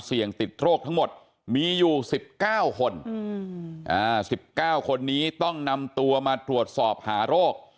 เสี่ยงติดโรคทั้งหมดมีอยู่๑๙คน๑๙คนนี้ต้องนำตัวมาตรวจสอบหาโรค